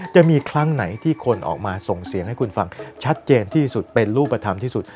จะมีครั้งไหนที่คนออกมาส่งเสียงให้คุณฟังชัดเจนที่สุดเป็นรูปธรรมที่สุด